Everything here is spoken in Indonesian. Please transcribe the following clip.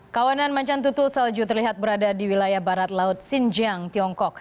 kawanan macan tutul salju terlihat berada di wilayah barat laut xinjiang tiongkok